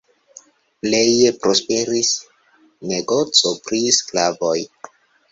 Pleje prosperis negoco pri sklavoj.